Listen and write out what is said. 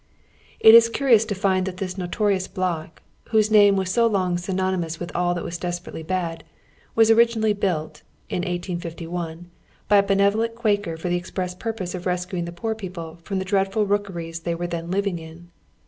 It is ciirions to find that this notorious block, whose name was so long synonymous with all that was desper ately bad, was originally built (in 1851) by a benevolent Quaker for the express purpose of rescuing the poor people from the dreadful i ookeries tliey were then living in.